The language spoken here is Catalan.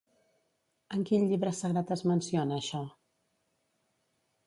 En quin llibre sagrat es menciona això?